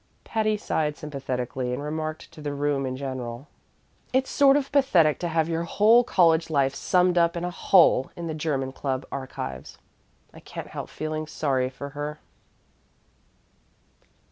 Patty sighed sympathetically and remarked to the room in general: "It's sort of pathetic to have your whole college life summed up in a hole in the German Club archives. I can't help feeling sorry for her!"